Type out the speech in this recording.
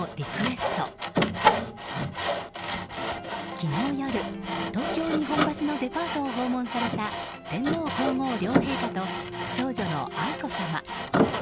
昨日夜、東京・日本橋のデパートを訪問された天皇・皇后両陛下と長女の愛子さま。